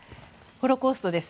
ホロコーストです。